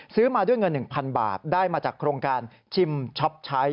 มาด้วยเงิน๑๐๐๐บาทได้มาจากโครงการชิมช็อปใช้